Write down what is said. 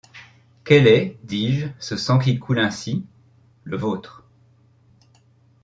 -Quel est, dis-je, ce sang qui coule ainsi ? -Le vôtre